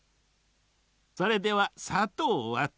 それではさとうはと。